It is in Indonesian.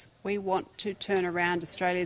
kita ingin menyerahkan sistem penduduk di australia